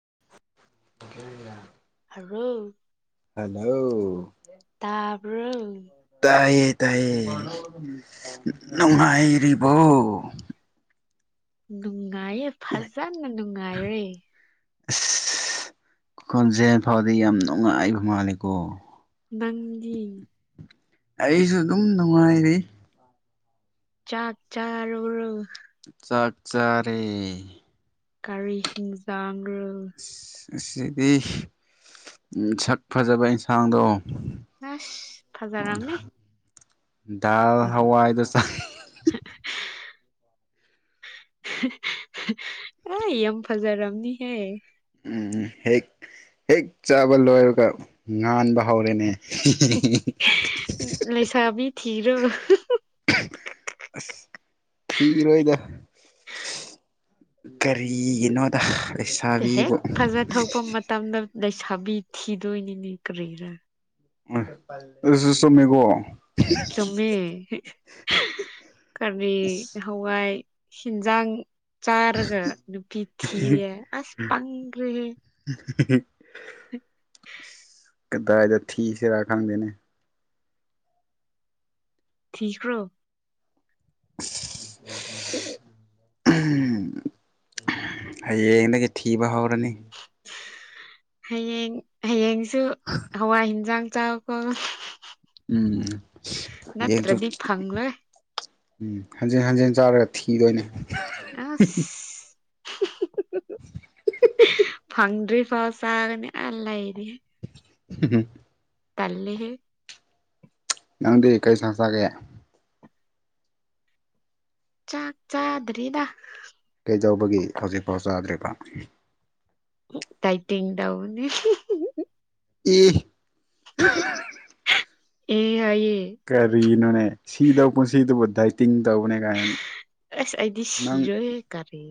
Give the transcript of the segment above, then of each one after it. [unintelligible] hello hello ꯇꯕꯔꯣ ꯇꯥꯏꯌꯦ ꯇꯥꯏꯌꯦ ꯅ ꯅꯨꯡꯉꯥꯏꯔꯤꯕꯣ ꯅꯨꯡꯉꯥꯏꯌꯦ ꯐꯖꯅ ꯅꯨꯡꯉꯥꯏꯔꯦ ꯑꯁ ꯈꯨꯈꯣꯟꯖꯦꯜ ꯐꯥꯎꯗꯤ ꯌꯥꯝ ꯅꯨꯡꯉꯥꯏꯕ ꯃꯥꯜꯂꯦꯀꯣ ꯅꯪꯗꯤ ꯑꯩꯁꯨ ꯑꯗꯨꯝ ꯅꯨꯡꯉꯥꯏꯔꯤ ꯆꯥꯛ ꯆꯥꯔꯕꯔꯣ ꯆꯔꯦ ꯀꯥꯔꯤ ꯍꯤꯡꯖꯥꯡ ꯑꯁꯤꯗꯤ ꯁꯛ ꯐꯖꯕ ꯏꯟꯁꯥꯡꯗꯣ ꯑꯁ ꯐꯖꯥꯔꯝꯅꯤ ꯗꯜ ꯍꯋꯥꯏꯗꯣ ꯆ ꯑ ꯑꯝ ꯐꯖꯥꯔꯝꯅꯤ ꯍꯦ ꯎꯝ ꯍꯦꯛ ꯍꯦꯛ ꯆꯥꯕ ꯂꯣꯏꯔꯒ ꯉꯥꯟꯕ ꯍꯧꯔꯦꯅꯦ ꯂꯩꯁꯥꯕꯤ ꯊꯤꯔꯕ ꯑ ꯐꯤ ꯔꯣꯗ ꯀꯔꯤꯒꯤꯅꯣꯗ ꯍꯦꯛ ꯂꯩꯁꯥꯕꯤꯕꯨ ꯐꯖ ꯊꯣꯛꯄ ꯃꯇꯝꯗ ꯂꯩꯁꯥꯕꯤ ꯊꯤꯗꯣꯏꯅꯤꯅꯦ ꯀꯔꯤꯔꯥ ꯎ ꯆꯃꯦꯒꯣꯣ ꯆꯨꯝꯃꯦ ꯀꯔꯕꯤ ꯍꯋꯥꯏ ꯍꯤꯟꯖꯥꯡ ꯆꯥꯔꯒ ꯅꯨꯄꯤ ꯊꯤꯔꯦ ꯑꯁ ꯄꯪꯈ꯭ꯔꯦꯍꯦ [unintelligible] ꯀꯗꯥꯏꯗ ꯊꯤ ꯁꯦꯔ ꯈꯪꯗꯅꯦ ꯊꯀ꯭ꯔꯣ ꯎꯝ ꯎꯝ ꯍꯌꯦꯡꯗꯒꯤ ꯊꯤꯕ ꯍꯧꯔꯅꯤ ꯍꯌꯦꯡ ꯍꯌꯦꯡꯁꯨ ꯍꯋꯥꯏ ꯍꯤꯟꯁꯥꯡ ꯆꯥ ꯈꯣꯠ ꯎꯝ ꯍꯌꯦꯡꯁꯨ ꯅꯠꯇ꯭ꯔꯦꯗꯤ ꯄꯪꯂꯦ ꯎꯝ ꯍꯟꯖꯤꯟ ꯍꯟꯖꯤꯟ ꯆꯥꯔꯒ ꯊꯤꯗꯣꯏꯅꯦ ꯑ ꯐꯪ꯭ꯔꯤ ꯐꯥꯎꯁꯅꯤ ꯑꯂꯥꯏꯗꯤꯦ ꯎ ꯇꯂꯦꯍꯦ ꯅꯪꯗꯤ ꯀꯔꯤ ꯆꯥꯛ ꯆꯒꯦ ꯆꯥ ꯆꯥꯗ꯭ꯔꯔꯤꯗ ꯀꯩꯗꯧꯕꯒꯤ ꯍꯧꯖꯤꯛꯐꯥꯎ ꯆꯥꯗ꯭ꯔꯤꯕ ꯇꯥꯏꯇꯗꯕꯨꯅꯤ ꯏ ꯑꯦ ꯍꯥꯏꯌꯦ ꯀꯔꯤꯅꯅꯦ ꯁꯤꯗ ꯄꯨ ꯁꯤꯗꯕꯨꯗꯥꯥꯏ ꯊꯤꯡ ꯗꯧꯅꯦꯒꯥꯏꯟ ꯑꯁ ꯑꯩꯗꯤ ꯅꯪ ꯁꯤꯔꯣꯏꯍꯦ ꯀꯔꯤ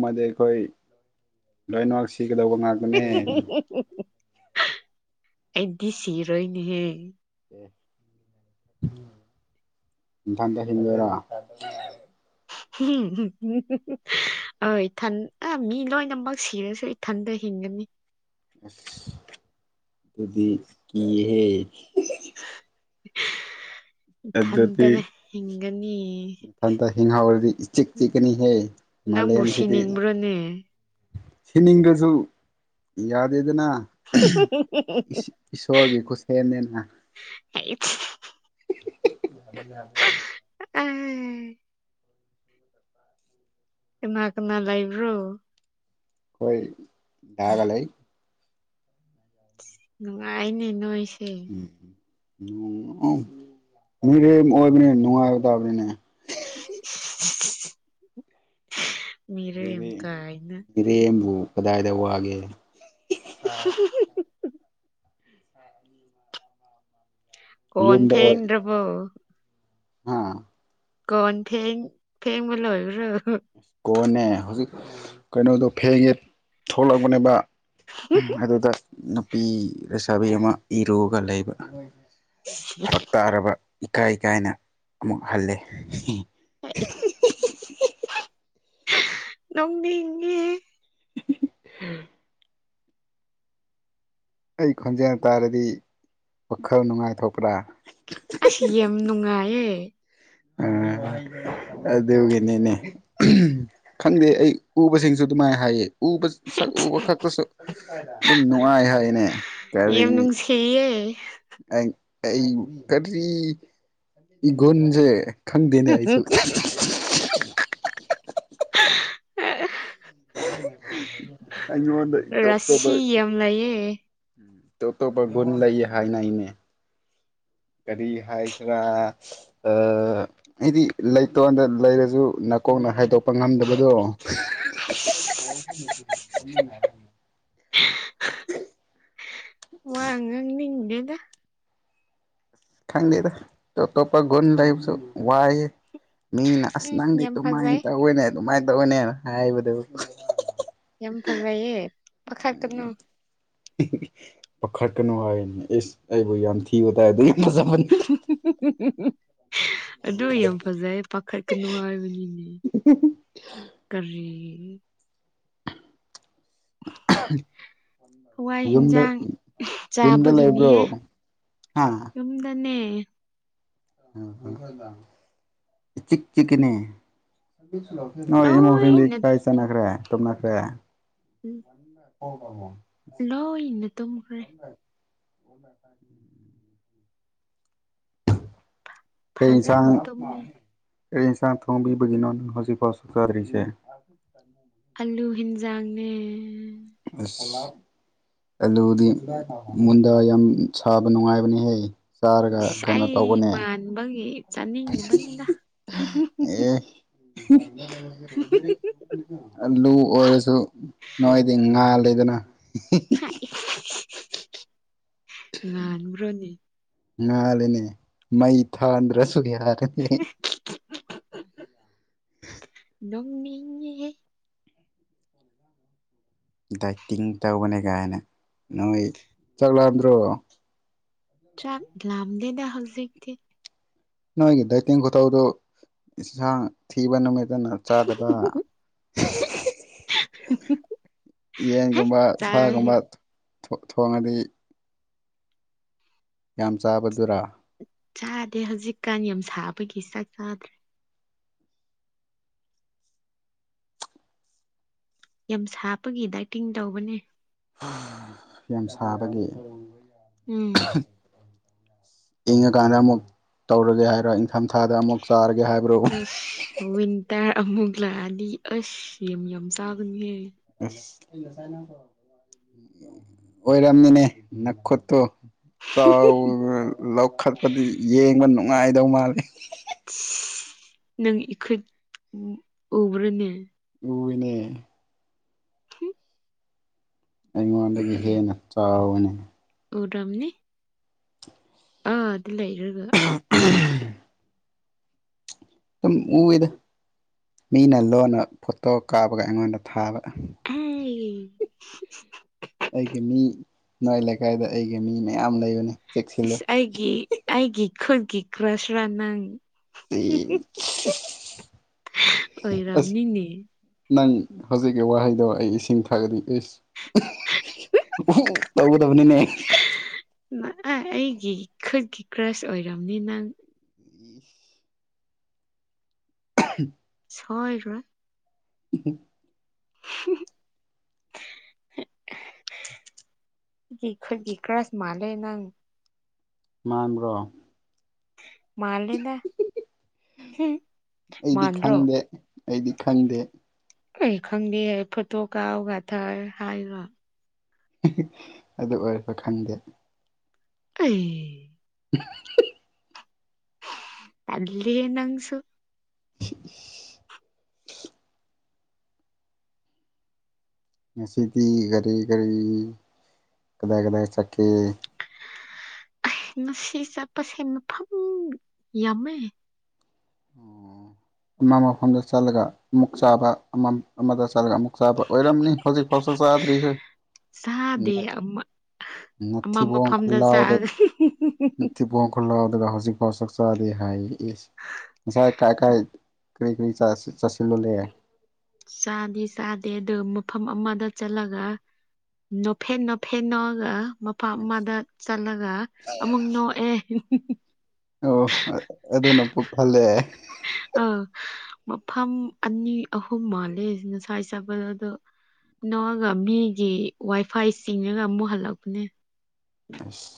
ꯃꯗꯤ ꯑꯩꯈꯣꯏ ꯂꯣꯏ ꯁꯤ ꯀꯗꯕ ꯉꯒꯅꯦ ꯑꯩꯗꯤ ꯁꯤꯔꯣꯏꯅꯦꯍꯦ ꯏ ꯐꯥꯟꯗ ꯍꯅꯕꯔꯣ ꯍꯟ ꯃꯤ ꯂꯣꯏꯅꯃꯛ ꯁꯤꯔꯁꯨ ꯏꯊꯟꯗ ꯍ ꯏꯅꯤ ꯑ ꯑꯗꯨꯗꯤ ꯀꯍꯦ [unintelligible] ꯑꯗꯨꯗꯤ ꯏꯊꯟꯇꯅ ꯍꯤꯡꯒꯅꯤ ꯃꯊꯟꯇ ꯍꯤꯡꯍꯥꯎꯔꯗꯤ ꯏ ꯆꯤꯛ ꯆꯤꯛꯀꯅꯤꯍꯦ ꯅꯪꯕꯨ ꯁꯤꯅꯤꯡꯕ꯭ꯔꯣꯅꯦ ꯁꯤꯅꯤꯡꯗꯁꯨ ꯌꯥꯗꯦ ꯑꯗꯨꯅ ꯏꯁꯣꯔꯒꯤꯀꯁꯦꯅꯦꯅ [unintelligible] ꯌꯥ ꯌꯥꯦ ꯎꯝ ꯀꯃ ꯀꯅꯥ ꯂꯩꯥꯏꯕ꯭ꯔꯣ ꯈꯣꯏ ꯀꯥꯒꯥ ꯂꯩ ꯅꯨꯡꯉꯥꯏꯅꯦ ꯅꯣꯏ ꯃꯤꯔꯦꯝ ꯑꯣꯏꯕꯅꯦ ꯅꯨꯡꯉꯥꯏꯇꯕꯅꯤꯅꯦ [unintelligible] ꯃꯤꯔꯝ ꯀꯥꯏꯅ ꯃꯤꯔꯦꯝꯕꯨ ꯀꯗꯥꯏꯗ ꯋꯥꯒꯦ [unintelligible] ꯀꯣꯟ ꯌꯨꯝꯗ ꯑꯣꯏ ꯐꯦꯡꯗꯔ꯭ ꯕꯣ ꯍꯥ ꯀꯣꯟ ꯐꯦꯡ ꯐꯦꯡꯕ ꯂꯣꯏꯕ꯭ꯔꯣ ꯀꯣꯟꯅꯦ ꯍꯧꯖꯤꯛ ꯀꯩꯅꯣꯗꯣ ꯐꯦꯡꯉꯦ ꯊꯣꯛꯂꯛꯄꯅꯦꯕ ꯑꯗꯨꯗ ꯅꯨꯄꯤ ꯂꯩꯁꯥꯕꯤ ꯑꯃ ꯏꯔꯨꯒ ꯂꯩꯕ ꯐꯔꯛ ꯇꯥꯔꯕ ꯏꯀꯥꯏ ꯀꯥꯏꯅ ꯑꯃꯨꯛ ꯍꯜꯂꯦ ꯅꯣꯛꯅꯤꯡꯉꯦ [unintelligible] ꯑꯩ ꯈꯣꯟꯖꯦꯜ ꯇꯥꯔꯗꯤ ꯋꯥꯈꯜ ꯅꯨꯡꯉꯥꯏꯊꯣꯛꯄ꯭ꯔꯥ ꯑꯁ ꯌꯥꯝ ꯅꯨꯡꯉꯥꯏꯌꯦ ꯎꯝ ꯑꯗꯨꯒꯤꯅꯤꯅꯦ ꯈꯪꯗꯦ ꯑꯩ ꯎꯕꯁꯤꯡꯁꯨ ꯑꯗꯨꯃꯥꯏ ꯍꯥꯏꯌꯦ ꯎꯕ ꯁꯛ ꯎꯕ ꯈꯛꯇꯁꯨ ꯑꯗꯨꯝ ꯅꯨꯡꯉꯥꯏ ꯍꯥꯏꯅꯦ ꯀꯔꯤ ꯌꯥꯝ ꯅꯨꯡꯁꯤꯌꯦ ꯑꯩ ꯀꯔꯤ ꯏꯒꯨꯟꯖꯦ ꯈꯪꯗꯦꯅꯦ ꯑꯩꯁꯨ [unintelligible] ꯑꯩꯉꯣꯟꯗꯩꯩ ꯔꯥꯁꯤ [unintelligible] ꯌꯥꯝ ꯂꯩꯌꯦ ꯇꯣꯞꯇꯣꯞꯄ ꯒꯨꯟ ꯂꯩ ꯍꯥꯏꯅꯩꯅꯦ ꯀꯔꯤ ꯍꯥꯏꯁꯤꯔꯥ ꯑ ꯑꯩꯗꯤ ꯂꯩꯇꯣꯟꯗ ꯂꯩꯔꯖꯨ ꯅꯀꯣꯛꯅ ꯍꯥꯏꯗꯣꯛꯄ ꯉꯝꯗꯕꯗꯣ [unintelligible] ꯋꯥ ꯉꯥꯡꯅꯤꯡꯗꯦꯗ ꯈꯪꯗꯦꯗ ꯇꯣꯞ ꯇꯣꯞꯄ ꯒꯨꯟ ꯂꯩꯕꯁꯨ ꯋꯥꯏꯌꯦ ꯃꯤꯅ ꯑꯁ ꯎꯝ ꯅꯪꯗꯤ ꯌꯥꯝ ꯗꯨꯃꯥꯏ ꯐꯖꯩ ꯇꯧꯋꯦꯅꯦ ꯑꯗꯨꯃꯥꯏ ꯇꯧꯋꯦꯅꯦꯅ ꯍꯥꯏꯕꯗꯨ ꯌꯥꯝ ꯐꯖꯩꯌꯦ [unintelligible] ꯄꯈꯠꯀꯅꯨ ꯍꯥꯏꯌꯦꯅ ꯏꯁ ꯑꯩꯕꯨ ꯌꯥꯝ ꯊꯤꯕ [unintelligible] ꯐꯖꯕꯅꯤ ꯑꯗꯨ ꯌꯥꯝ ꯐꯖꯩ ꯄꯥꯈꯠꯀꯅꯨ ꯍꯥꯏꯕꯅꯤ ꯀꯔꯤ ꯍꯋꯥꯏ ꯌꯨꯝꯗ ꯍꯤꯟꯖꯥꯡ ꯌꯨꯝꯗ ꯆꯥꯕꯒꯤꯅꯤꯍꯦ ꯂꯩꯕ꯭ꯔꯣ ꯍꯥ ꯌꯨꯝꯗꯅꯦ [unintelligible] ꯆꯤꯛ ꯆꯤꯛꯀꯅꯦ ꯍꯣꯏ ꯏꯃꯨꯡꯁꯤꯡꯗꯤ ꯂꯣꯏꯅ ꯀꯥꯏ ꯆꯠꯅꯈ꯭ꯔꯦ ꯇꯨꯝꯅꯈ꯭ꯔꯦ ꯎꯝ [unintelligible] ꯂꯣꯏꯅ ꯇꯨꯝꯈꯔ꯭ꯦ [inaudible] ꯀꯩ ꯏꯟꯁꯥꯡ ꯐꯖꯅ ꯇꯨꯝꯃꯦ ꯀꯔꯤ ꯏꯟꯁꯥꯡ ꯊꯣꯡꯕꯤꯕꯒꯤꯅꯣ ꯍꯧꯖꯤꯛꯐꯧ ꯆꯛ ꯆꯥꯗꯔ꯭ꯤꯁꯦ ꯑꯜꯂꯨ ꯍꯤꯟꯖꯥꯡꯅꯦ ꯑꯁ ꯑꯂꯨꯗꯤ ꯃꯨꯟꯗꯥ ꯌꯥꯝ ꯁꯥꯕ ꯅꯨꯡꯉꯥꯏꯕꯅꯦꯍꯦ ꯑꯩ ꯃꯥꯟꯕꯒꯤ ꯆꯥꯅꯤꯡꯉꯤꯕꯅꯤꯗ ꯑꯦ ꯑꯂꯨ ꯑꯣꯏꯔꯁꯨ ꯅꯣꯡꯥꯏꯗꯤ ꯉꯥꯜ ꯂꯩꯗꯅ ꯉꯕ꯭ꯔꯅꯤ ꯉꯥꯜꯂꯤꯅꯦ ꯃꯩ ꯊꯥꯟꯗ꯭ꯔꯁꯨ ꯌꯥꯔꯦ [inaudible] ꯃꯤꯡꯅꯤꯍꯦ ꯗꯥꯏꯇꯤꯡ ꯇꯧꯕꯅꯦ ꯀꯥꯏꯅ ꯅꯣꯏ ꯆꯠꯂꯛꯗ꯭ꯔꯣ ꯆꯥꯛ ꯂꯝꯗꯦꯅ ꯍꯧꯖꯤꯖꯤꯛꯗꯤ ꯅꯣꯏꯒꯤ ꯗꯥꯇꯤꯡ ꯈꯨꯇꯥꯎꯗꯨ ꯏꯁꯥꯡ ꯊꯤꯕ ꯅꯨꯃꯤꯠ ꯐꯖꯅ ꯆꯥꯗꯕ ꯍꯦ ꯌꯦꯟꯒꯨꯝꯕ ꯆꯥꯏ ꯁꯥꯒꯨꯝꯕ ꯊꯣꯡꯉꯗꯤ ꯌꯥꯝ ꯆꯥꯕꯗꯨꯔ ꯆꯥꯗꯦ ꯍꯧꯖꯤꯛꯀꯥꯟ ꯌꯥꯝ ꯁꯥꯕꯒꯤ ꯆꯥꯛ ꯆꯥꯗ꯭ꯔꯦ ꯌꯥꯝ ꯁꯥꯞꯄꯒꯤ ꯗꯥꯏꯇꯤꯡ ꯇꯧꯕꯅꯦ ꯌꯁꯕꯒꯤ ꯎꯝ ꯏꯪꯉꯀꯥꯟꯗ ꯑꯃꯨꯛ ꯇꯧꯔꯒꯦ ꯍꯥꯏꯔꯣ ꯏꯪꯊꯝꯊꯥꯗ ꯑꯃꯨꯛ ꯆꯥꯔꯒꯦ ꯍꯥꯏꯕ꯭ꯔꯣ ꯑꯁ ꯋꯤꯟꯇꯔ ꯑꯃꯨꯛ ꯂꯥꯛꯑꯅꯤ ꯑꯁ ꯌꯥꯝ ꯌꯥꯝ ꯇꯥꯒꯅꯤꯍ ꯂ ꯆꯥꯏꯅ ꯀꯣ [unintelligible] ꯑꯣꯏꯔꯝꯅꯤꯅꯦ ꯅꯈ꯭ꯔꯇꯣ ꯆꯥꯎ ꯂꯧꯈꯠꯄꯗꯤ ꯌꯦꯡꯕ ꯅꯨꯡꯉꯥꯏꯗꯧ ꯃꯥꯜꯂꯤꯦ ꯅꯪ ꯏꯈ ꯎꯕ꯭ꯔꯅꯦ ꯇꯅꯦ ꯑꯩꯉꯣꯟꯗꯒꯤ ꯍꯦꯟꯅ ꯆꯥꯎꯔꯨꯅꯦ ꯑꯣꯔꯝꯅꯤ ꯂꯩꯔꯒ ꯎ [unintelligible] ꯁꯝ ꯎꯏꯗ ꯃꯤꯅ ꯂꯣꯟꯅ ꯐꯣꯇꯣ ꯀꯥꯞꯄꯒ ꯑꯩꯉꯣꯟꯗ ꯊꯥꯕ ꯑ [unintelligible] ꯑꯩꯒꯤ ꯃꯤ ꯅꯥꯏ ꯂꯩꯀꯥꯏꯗ ꯑꯩꯒꯤ ꯃꯤ ꯃꯌꯥꯝ ꯂꯩꯕꯅꯤ ꯆꯦꯛꯁꯤꯜꯂꯨ ꯏꯁꯁ ꯑꯩꯒꯤ ꯑꯩꯒꯤ ꯈꯨꯠꯒꯤ ꯀ꯭ꯔꯣꯁ ꯔ ꯅꯪ ꯑ ꯑꯣꯏꯔꯝꯅꯤꯅꯦ ꯅꯪ ꯍꯧꯖꯤꯛꯀꯤ ꯋꯥꯍꯩꯗꯣ ꯑꯩ ꯏꯁꯤꯡ ꯊꯛꯒꯗꯤ ꯏꯁ ꯎ ꯇꯧ ꯇꯅꯤꯅꯦ ꯑꯩꯒꯤ ꯈꯨꯠꯀꯤ ꯀ꯭ꯔꯁ ꯑꯣꯏꯔꯔꯕꯅꯤ ꯅꯪ [inaudible] ꯁꯣꯏꯔ ꯎꯝ [inaudible] ꯀꯔꯥꯁ ꯃꯥꯂꯦ ꯅꯪ ꯃꯥꯡ꯭ꯔꯣ ꯃꯥꯥꯡꯂꯗ ꯍꯝ ꯑꯩꯗꯤ ꯃꯥꯥꯟ꯭ꯔꯣ ꯈꯪꯗꯦ ꯑꯩꯗꯤ ꯈꯪꯗꯦ ꯑꯩ ꯈꯪꯗꯦ ꯍꯥꯏ ꯐꯣꯇꯣ ꯀꯥꯎꯒꯊꯔ ꯍꯥꯏꯒ ꯑꯗꯨ ꯑꯣꯏꯔꯕ ꯈꯪꯗꯦ ꯑ [unintelligible] [inaudible] ꯇꯜꯂꯤ ꯅꯪꯁꯨ ꯉꯁꯤꯗꯤ ꯔꯤ ꯈꯔꯤ ꯀꯗ ꯀꯗ ꯆꯀꯤ ꯁꯤ ꯆꯠꯄꯁꯦ ꯃꯐꯝ ꯌꯥꯝꯃꯦ ꯑꯃ ꯃꯐꯝꯗ ꯆꯠꯂꯒ ꯑꯃꯨꯛ ꯆꯥꯕ ꯑꯃ ꯑꯃꯗ ꯆꯠꯂꯒ ꯑꯃꯨꯛ ꯆꯥꯕ ꯑꯣꯏꯔꯝꯅꯤ ꯐ ꯐꯁ ꯆꯗꯔꯤꯁ ꯆꯥꯗꯦ ꯑꯃ ꯑꯃ ꯅꯠꯇꯕꯣꯣꯡ ꯃꯐꯝꯗ ꯈꯨꯜꯂꯕꯗꯣ ꯆꯥꯒ ꯅꯨꯡꯇꯤ ꯄꯈꯠꯂꯛꯑꯣ ꯑꯗꯨꯒ ꯍꯧꯖꯤꯛꯐꯥꯎ ꯆꯛ ꯆꯗꯤꯦ ꯍꯥꯏ ꯉꯁꯥꯏ ꯀꯥꯏ ꯀꯥꯏ ꯀꯔꯤ ꯀꯔꯤ ꯆꯥꯁꯤꯜꯂꯣ ꯂꯩꯦ ꯆꯥꯗꯤ ꯆꯥꯗꯦ ꯑꯗꯨ ꯃꯐꯝ ꯑꯃꯗ ꯆꯠꯂꯒ ꯅꯐꯦ ꯅꯣꯐꯦꯦꯟꯣꯒ ꯃꯄꯥ ꯑꯃꯗ ꯆꯠꯂꯒ ꯑꯃꯨꯛ ꯅꯣꯛꯑꯦ ꯑꯣ ꯑꯗꯨꯅ ꯄꯨ ꯐꯜꯂꯦ ꯑ ꯃꯐꯝ ꯑꯅꯤ ꯑꯍꯨꯝ ꯃꯥꯜꯂꯦ ꯉꯁꯥꯏ ꯆꯥꯄꯗ ꯑꯗꯣ ꯅꯣꯛꯑꯒ ꯃꯤꯒꯤ ꯋꯥꯏꯐꯥꯏ ꯆꯤꯡꯉꯒ ꯑꯃꯨꯛ ꯍꯜꯂꯛꯄꯅꯦ ꯑꯁ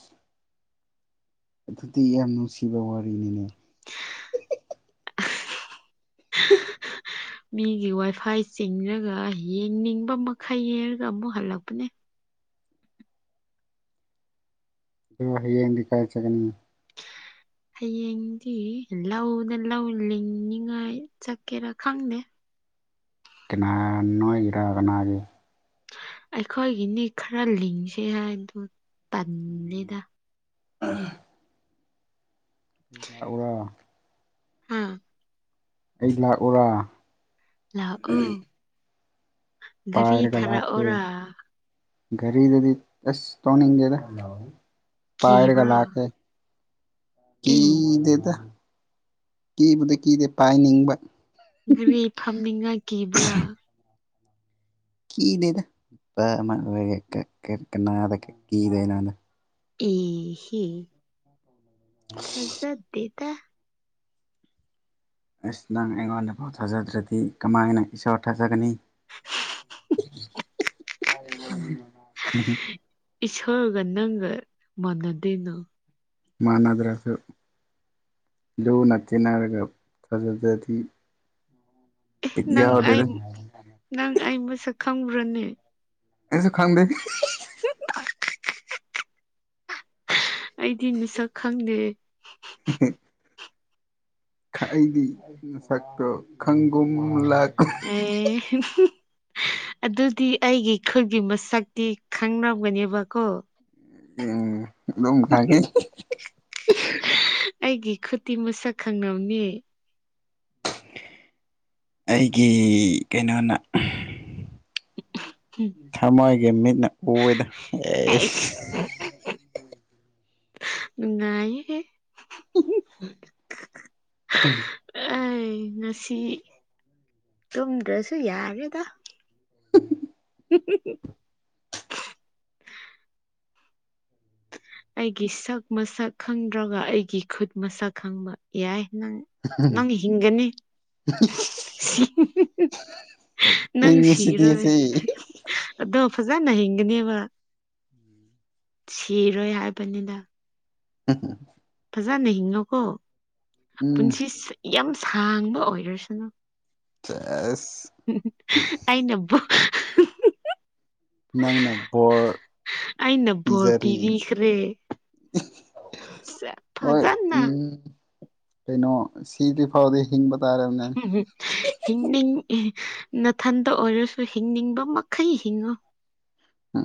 ꯑꯗꯨꯗꯤ ꯌꯥꯝ ꯅꯨꯡꯁꯤꯕ ꯋꯥꯔꯤꯅꯤꯅꯦ ꯍꯤ ꯃꯤꯒꯤ ꯋꯥꯏꯐꯥꯏ ꯆꯤꯡꯔꯒ ꯌꯦꯡꯅꯤꯡꯕ ꯃꯈꯩ ꯌꯦꯡꯔꯒ ꯑꯃꯨꯛ ꯍꯜꯂꯛꯄꯅꯦ ꯍꯌꯦꯡꯗꯤ ꯀꯥꯏ ꯆꯠꯀꯅꯤ [inaudible] ꯍꯌꯦꯡꯗꯤ ꯂꯧꯗ ꯂꯧ ꯂꯤꯡꯅꯤꯉꯥꯏ ꯆꯠꯀꯦꯔꯥ ꯈꯪꯗꯦ ꯀꯅꯥ ꯅꯣꯏꯒꯤꯔ ꯀꯅꯥꯒꯤ ꯑꯩꯈꯣꯏꯒꯤꯅꯤ ꯈꯔ ꯂꯤꯡꯁꯤ ꯍꯥꯏ ꯑꯗꯨ ꯇꯜꯂꯤꯗ ꯑꯥ ꯂꯥꯛꯎꯔꯣ ꯑꯥ ꯑꯩ ꯂꯥꯛꯎꯔꯥ ꯂꯥꯛꯑꯣ ꯒꯥꯔꯤ ꯄꯥꯏꯔꯒ ꯂꯥꯛꯀꯦ ꯊꯥꯔꯛꯑꯣꯔꯥ ꯒꯥꯔꯤꯗꯗꯤ ꯑꯁ ꯇꯣꯡꯅꯤꯡꯗꯦꯗ ꯄꯥꯏꯔꯒ ꯀꯤꯕ꯭ꯔꯥ ꯂꯥꯛꯀꯦ ꯑꯦ ꯀꯤꯗꯦꯗ ꯀꯤꯕꯨꯗꯤ ꯀꯤꯗꯦ ꯄꯥꯏꯅꯤꯡꯕ ꯒꯔꯤ ꯐꯝꯅꯤꯡꯉꯥꯏ ꯀꯤꯕ꯭ꯔꯥ ꯀꯅꯦꯗ ꯀ ꯀꯅꯥꯗ ꯀꯤꯗꯣꯏꯅꯣꯗ ꯏ ꯍꯤ ꯊꯥꯖꯗꯦ ꯑꯁ ꯅꯪ ꯑꯩꯉꯣꯟꯗ ꯐꯥꯎ ꯊꯥꯖꯗ꯭ꯔꯗꯤ ꯀꯃꯥꯏꯅ ꯏꯁꯣꯔ ꯊꯥꯖꯒꯅꯤ [unintelligible] ꯏꯁꯣꯔꯒ ꯅꯪꯒ ꯃꯥꯅꯗꯦꯅ ꯃꯅꯗ꯭ꯔꯁꯨ ꯂꯨꯅꯥ ꯇꯤꯟꯅꯔꯒ ꯐꯖꯗꯗꯤ ꯅꯪ ꯑꯩ ꯅꯪ ꯑꯩ ꯃꯁꯛ ꯈꯪꯕ꯭ꯔꯅꯦ ꯑꯩꯁꯨ ꯈꯪꯗꯦ [unintelligible] ꯑꯩꯗꯤ ꯃꯤꯁꯛ ꯈꯪꯗꯦ ꯍꯤꯍꯦ [unintelligible] ꯑꯩꯗꯤ ꯁꯛꯇꯣ ꯈꯪꯒꯨꯝ ꯂꯥꯛ ꯑꯦ ꯑꯗꯨꯗꯤ ꯑꯩꯒꯤ ꯈꯨꯜꯒꯤ ꯃꯁꯛꯇꯤ ꯈꯪꯉꯝꯒꯅꯦꯕꯀꯣ ꯎꯝ ꯅꯨꯡ ꯈꯪꯉꯦ ꯑꯩꯒꯤ ꯈꯨꯇꯤ ꯃꯁꯛ ꯈꯪꯉꯝꯅꯤ ꯑꯩꯒꯤ ꯀꯩꯅꯣꯅ ꯊꯝꯃꯣꯏꯒꯦ ꯃꯤꯠꯅ ꯎꯋꯦꯗ ꯑꯦꯁ ꯅꯨꯉꯥꯏꯌꯦꯍꯦ ꯎꯝ ꯑꯩ ꯉꯁꯤ ꯇꯨꯝꯗ꯭ꯔꯁꯨ ꯌꯥꯔꯦꯗ [inaudible] ꯑꯩꯒꯤ ꯁꯛ ꯃꯁꯛ ꯈꯪꯗ꯭ꯔꯒ ꯑꯩꯒꯤ ꯈꯨꯠ ꯃꯁꯛ ꯈꯪꯕ ꯌꯥꯏ ꯅꯪ ꯅꯪ ꯍꯤꯡꯒꯅꯤ ꯍꯨꯝ ꯍꯨꯝ ꯍꯨꯝ ꯅꯪ ꯏꯪꯉꯤꯁꯤꯗꯤ ꯁꯤꯔꯣꯏ ꯁꯤ ꯑꯗꯣ ꯐꯖꯅ ꯍꯤꯡꯒꯅꯦꯕ ꯁꯤꯔꯣꯏ ꯍꯥꯏꯕꯅꯤꯅ ꯍꯝ ꯍ ꯐꯖꯅ ꯍꯤꯡꯉꯣꯀꯣ ꯎꯝ ꯄꯨꯟꯁꯤꯁ ꯌꯥꯝ ꯁꯥꯡꯕ ꯑꯣꯏꯔꯁꯅꯨ ꯁꯦꯁ ꯑꯩ ꯅꯕꯨ ꯅꯪꯅ ꯕꯣꯔ ꯑꯩꯅ ꯕꯣꯔ ꯄꯕꯤꯖꯔꯤ ꯄꯤꯕꯤꯈ꯭ꯔꯦ ꯁꯦ ꯍꯣꯏ ꯐꯖꯅ ꯎꯝ ꯀꯩꯅꯣ ꯁꯤꯗꯤ ꯐꯥꯎꯗꯤ ꯍꯤꯡꯕ ꯇꯥꯔꯕꯅꯦ ꯝ ꯏꯗꯤ ꯊꯟꯇ ꯑꯣꯏꯔꯁꯨ ꯍꯤꯡꯅꯤꯡꯕ ꯃꯈꯩ ꯍꯤꯡꯉꯨ ꯎꯝ